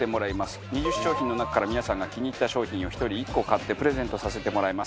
２０商品の中から皆さんが気に入った商品を１人１個買ってプレゼントさせてもらいます。